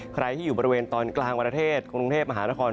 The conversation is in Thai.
ใครที่อยู่บริเวณตอนกลางประเทศกรุงเทพมหานคร